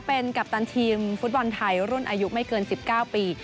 เป็นกัปตันทีมฟุตบอลไทยรุ่นอายุไม่เกิน๑๙ปี